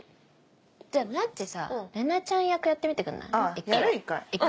じゃあなっちさ玲奈ちゃん役やってみてくれない？